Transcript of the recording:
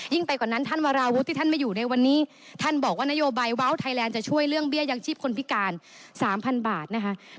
ไปกว่านั้นท่านวราวุฒิที่ท่านไม่อยู่ในวันนี้ท่านบอกว่านโยบายว้าวไทยแลนด์จะช่วยเรื่องเบี้ยยังชีพคนพิการสามพันบาทนะคะ